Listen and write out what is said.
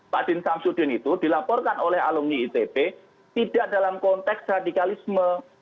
pak din samsudin itu dilaporkan oleh alumni itb tidak dalam konteks radikalisme